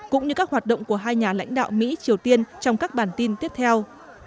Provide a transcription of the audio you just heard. cũng như các hoạt động của hai nhà lãnh đạo mỹ triều tiên trong các bản tin tiếp theo